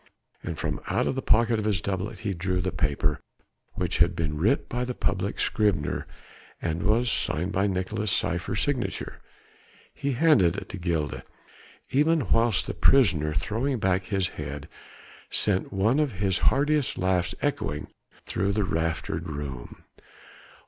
And from out the pocket of his doublet he drew the paper which had been writ by the public scrivener and was signed with Nicolaes' cypher signature: he handed it to Gilda, even whilst the prisoner, throwing back his head, sent one of his heartiest laughs echoing through the raftered room.